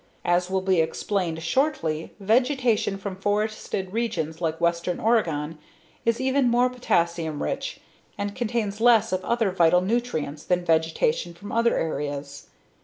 As will be explained shortly, vegetation from forested regions like western Oregon is even more potassium rich and contains less of other vital nutrients than vegetation from other areas.